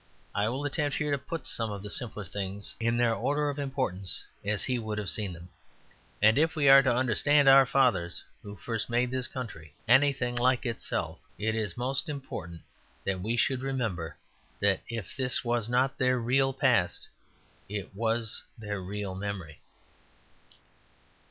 I will attempt here to put some of the simpler things in their order of importance as he would have seen them; and if we are to understand our fathers who first made this country anything like itself, it is most important that we should remember that if this was not their real past, it was their real memory.